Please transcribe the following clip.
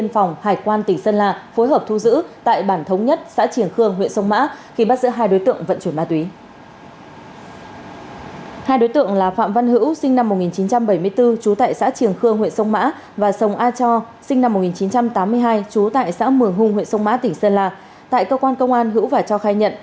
năm một nghìn chín trăm tám mươi hai chú tại xã mường hùng huyện sông mã tỉnh sơn la tại cơ quan công an hữu và cho khai nhận